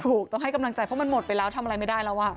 เพราะมันหมดไปแล้วทำอะไรไม่ได้แล้วว่ะ